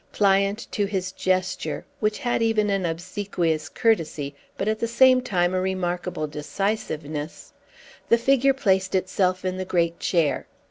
Pliant to his gesture (which had even an obsequious courtesy, but at the same time a remarkable decisiveness), the figure placed itself in the great chair.